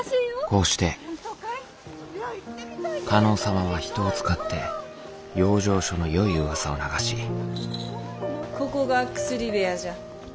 こうして加納様は人を使って養生所のよい噂を流しここが薬部屋じゃ。